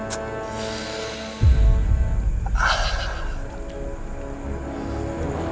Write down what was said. mas bayu itu